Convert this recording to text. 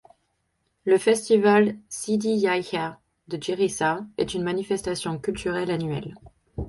Le Festival Sidi Yahia de Jérissa est une manifestation culturelle annuelle.